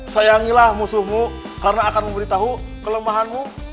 sayangilah musuhmu karena akan memberitahu kelemahanmu